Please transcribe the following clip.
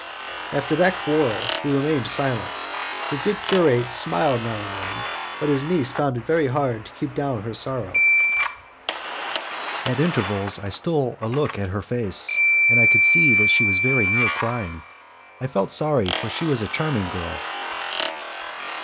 After that quarrel we remained silent. The good curate smiled now and then, but his niece found it very hard to keep down her sorrow. At intervals I stole a look at her face, and could see that she was very near crying. I felt sorry, for she was a charming girl.